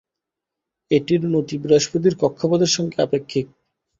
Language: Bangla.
এটির নতি বৃহস্পতির কক্ষপথের সঙ্গে আপেক্ষিক।